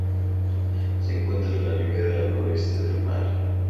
Se encuentra en la ribera noreste del mar.